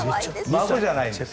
孫じゃないです。